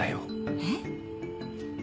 えっ？